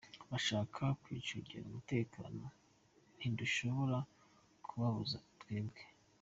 Bashaka kwicungerera umutekano ntidushobora kubabuza twebwe.